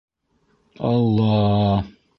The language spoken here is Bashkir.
Алл-а-а...